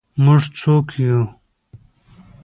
موږ څوک یو؟